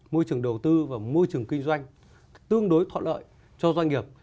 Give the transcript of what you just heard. môi trường đầu tư và môi trường kinh doanh tương đối thuận lợi cho doanh nghiệp